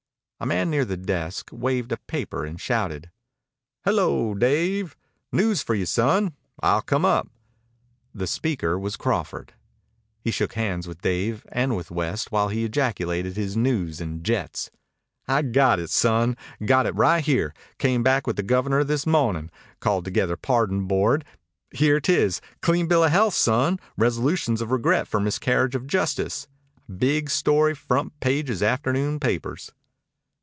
A man near the desk waved a paper and shouted: "Hello, Dave! News for you, son. I'll come up." The speaker was Crawford. He shook hands with Dave and with West while he ejaculated his news in jets. "I got it, son. Got it right here. Came back with the Governor this mo'nin'. Called together Pardon Board. Here 't is. Clean bill of health, son. Resolutions of regret for miscarriage of justice. Big story front page's afternoon's papers."